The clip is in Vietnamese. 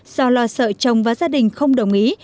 do lo sợ chồng và gia đình không đồng ý